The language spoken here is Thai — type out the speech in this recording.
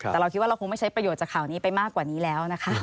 แต่เราคิดว่าเราคงไม่ใช้ประโยชน์จากข่าวนี้ไปมากกว่านี้แล้วนะคะ